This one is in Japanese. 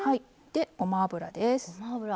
ごま油です。